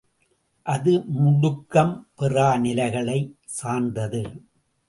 அது முடுக்கம்பெறாநிலைகளைச் சார்ந்தது.